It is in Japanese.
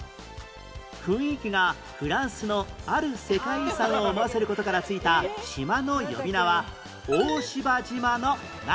雰囲気がフランスのある世界遺産を思わせる事から付いた島の呼び名は大芝島の何？